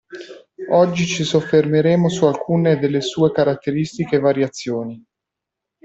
Oggi ci soffermeremo su alcune delle sue caratteristiche e variazioni.